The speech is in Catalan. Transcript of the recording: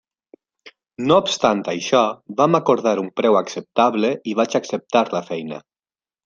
No obstant això, vam acordar un preu acceptable i vaig acceptar la feina.